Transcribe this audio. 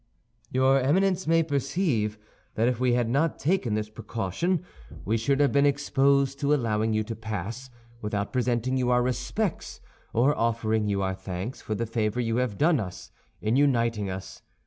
"Your Eminence may perceive that if we had not taken this precaution, we should have been exposed to allowing you to pass without presenting you our respects or offering you our thanks for the favor you have done us in uniting us.